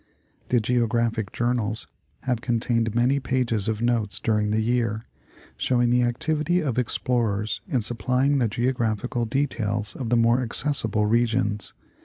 The Geographic journals have contained many pages of notes during the year, showing the activity of explorers in supplying the Geographical details of the more accessible regions.